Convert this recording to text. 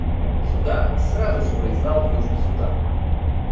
Судан сразу же признал Южный Судан.